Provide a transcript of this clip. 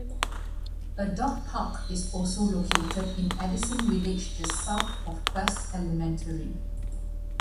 A dog park is also located in Addison Village just south of Quest Elementary.